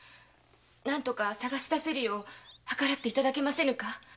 何とか捜し出せるよう計らっていただけませぬか？